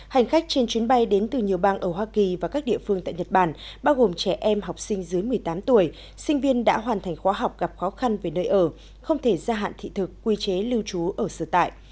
hành khách trên chuyến bay đến từ nhiều bang ở hoa kỳ và các địa phương tại nhật bản bao gồm trẻ em học sinh dưới một mươi tám tuổi sinh viên đã hoàn thành khóa học gặp khó khăn về nơi ở không thể gia hạn thị thực quy chế lưu trú ở sở tại